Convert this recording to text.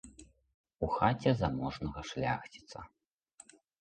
У хаце заможнага шляхціца.